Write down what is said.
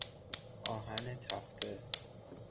آهن تفته